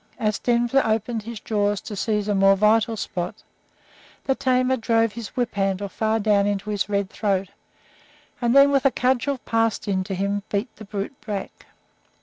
As Denver opened his jaws to seize a more vital spot, the tamer drove his whip handle far down into his red throat, and then, with a cudgel passed in to him, beat the brute back.